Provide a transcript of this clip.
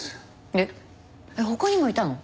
えっ？他にもいたの？